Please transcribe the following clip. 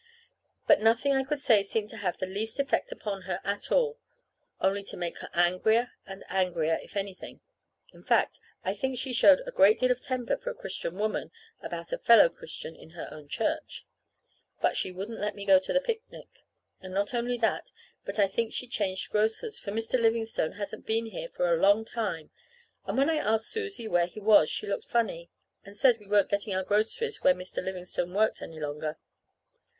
But nothing I could say seemed to have the least effect upon her at all, only to make her angrier and angrier, if anything. In fact I think she showed a great deal of temper for a Christian woman about a fellow Christian in her own church. But she wouldn't let me go to the picnic; and not only that, but I think she changed grocers, for Mr. Livingstone hasn't been here for a long time, and when I asked Susie where he was she looked funny, and said we weren't getting our groceries where Mr. Livingstone worked any longer.